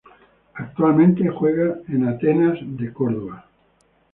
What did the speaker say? Actualmente juega en Atenas de Córdoba.